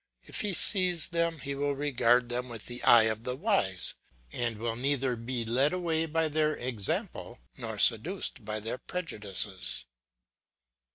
If he sees them, he will regard them with the eye of the wise, and will neither be led away by their example nor seduced by their prejudices.